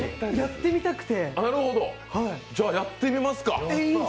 じゃ、やってみますか。